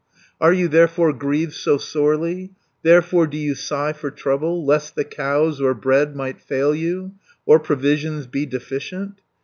Are you therefore grieved so sorely, Therefore do you sigh for trouble, Lest the cows or bread might fail you, Or provisions be deficient?